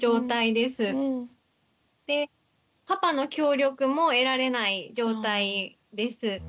でパパの協力も得られない状態です。